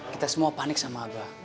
kita semua panik sama abah